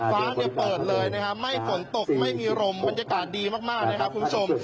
ฟ้าเนี่ยเปิดเลยนะครับไม่ฝนตกไม่มีลมบรรยากาศดีมากนะครับคุณผู้ชม